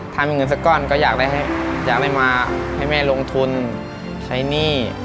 ถ้ามีเงินสักก้อนก็อยากให้มาให้แม่ลงทุนใช้หนี้